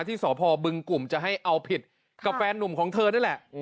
ที่สพบึงกลุ่มจะให้เอาผิดกับแฟนนุ่มของเธอนี่แหละ